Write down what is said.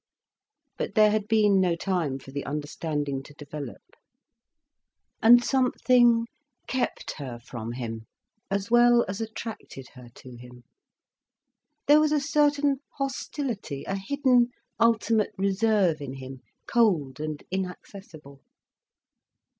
But there had been no time for the understanding to develop. And something kept her from him, as well as attracted her to him. There was a certain hostility, a hidden ultimate reserve in him, cold and inaccessible.